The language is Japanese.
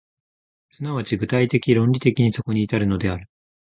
即ち具体的論理的にそこに至るのである。